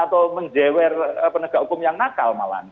atau menjewer penegak hukum yang nakal malah